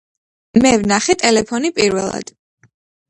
მე ვნახე ტელეფონი პირველად